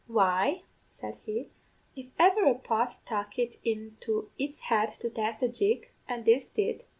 "'Why,' said he, 'if ever a pot tuck it into its head to dance a jig, and this did.